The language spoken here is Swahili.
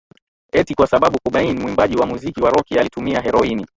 eti kwa sababu Cobain mwimbaji wa muziki wa roki alitumia heroini